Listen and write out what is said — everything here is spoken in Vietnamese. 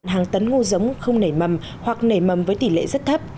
hàng tấn ngô giống không nảy mầm hoặc nảy mầm với tỷ lệ rất thấp